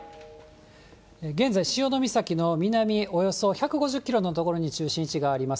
現在、潮岬の南およそ１５０キロの所に中心位置があります。